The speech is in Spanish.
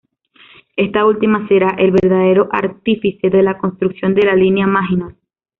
Esta última será el verdadero artífice de la construcción de la línea Maginot.